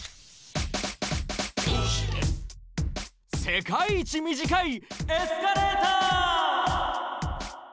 世界一短いエスカレーター！